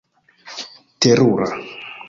terura